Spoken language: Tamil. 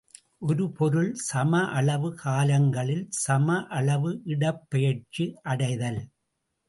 ஒரு பொருள் சமஅளவு காலங்களில் சமஅளவு இடப்பெயர்ச்சி அடைதல்.